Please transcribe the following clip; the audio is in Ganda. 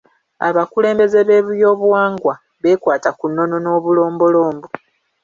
Abakulembeze b'ebyobuwangwa beekwata ku nnono n'obulombolombo.